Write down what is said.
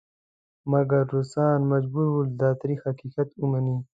مګر روسان مجبور ول دا تریخ حقیقت ومني.